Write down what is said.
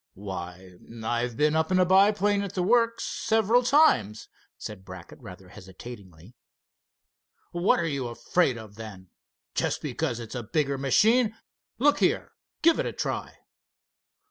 "Why, I've been up in a biplane at the works several times," said Brackett, rather hesitatingly. "What are you afraid of, then? Just because it's a bigger machine? Look here, give it a try."